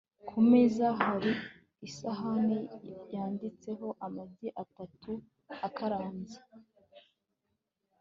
ku meza, hari isahani yanditseho amagi atatu akaranze